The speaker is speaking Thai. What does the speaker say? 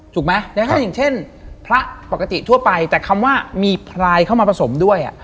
ถูกไหมอย่างนั้นอย่างเช่นพระปกติทั่วไปแต่คำว่ามีพลายเข้ามาผสมด้วย